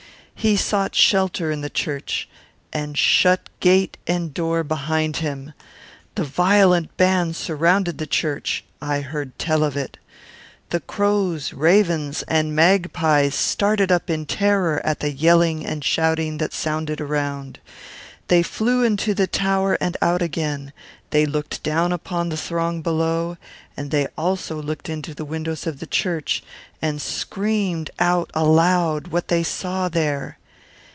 He sought shelter in the church, and shut gate and door behind him. The violent band surrounded the church; I heard tell of it. The crows, ravens and magpies started up in terror at the yelling and shouting that sounded around. They flew into the tower and out again, they looked down upon the throng below, and they also looked into the windows of the church, and screamed out aloud what they saw there.